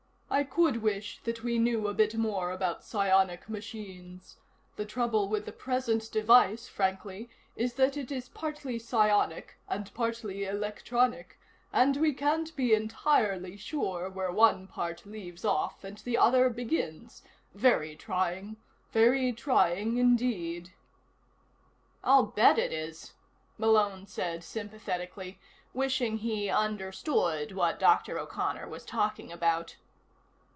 "I could wish that we knew a bit more about psionic machines. The trouble with the present device, frankly, is that it is partly psionic and partly electronic, and we can't be entirely sure where one part leaves off and the other begins. Very trying. Very trying indeed." "I'll bet it is," Malone said sympathetically, wishing he understood what Dr. O'Connor was talking about.